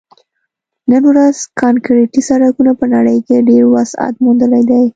نن ورځ کانکریټي سړکونو په نړۍ کې ډېر وسعت موندلی دی